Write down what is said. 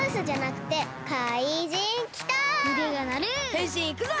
へんしんいくぞ！